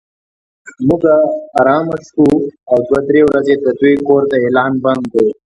موږ ارامه شوو او دوه درې ورځې د دوی کور ته اعلان بند و.